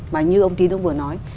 mà như ông tín ông vừa nói